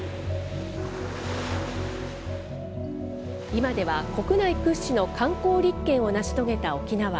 今では、国内屈指の観光立県を成し遂げた沖縄。